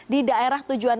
di daerah tujuan